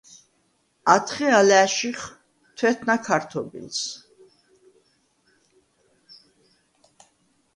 ათხე ალა̄̈შიხ თუ̂ეთნა ქართობილს.